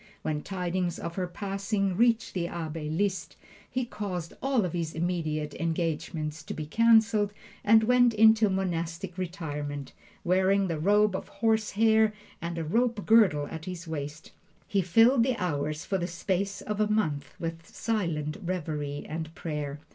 When tidings of her passing reached the Abbe Liszt, he caused all of his immediate engagements to be canceled and went into monastic retirement, wearing the robe of horsehair and a rope girdle at his waist. He filled the hours for the space of a month with silent reverie and prayer.